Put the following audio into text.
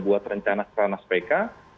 buat rencana stranas pk